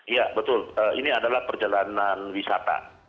iya betul ini adalah perjalanan wisata